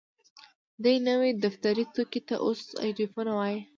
دې نوي دفتري توکي ته اوس ايډيفون وايي.